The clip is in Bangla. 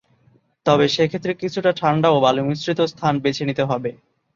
তবে সে ক্ষেত্রে কিছুটা ঠাণ্ডা ও বালু মিশ্রিত স্থান বেছে নিতে হবে।